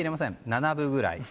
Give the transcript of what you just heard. ７分ぐらいまで。